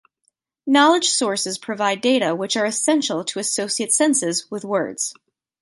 Knowledge sources provide data which are essential to associate senses with words.